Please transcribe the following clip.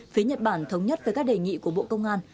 phía nhật bản thống nhất với các đề nghị của bộ công an